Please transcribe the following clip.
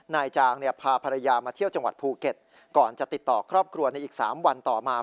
นายจางเนี่ยพาภรรยามาเที่ยวจังหวัดภูเก็ตก่อนจะติดต่อครอบครัวในอีก๓วันต่อมา